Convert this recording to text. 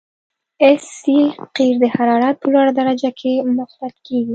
اس سي قیر د حرارت په لوړه درجه کې مخلوط کیږي